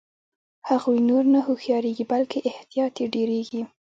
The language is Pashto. هغوی نور نه هوښیاریږي بلکې احتیاط یې ډیریږي.